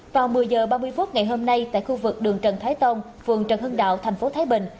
vào một mươi h ba mươi phút ngày hôm nay tại khu vực đường trần thái tông phường trần hưng đạo thành phố thái bình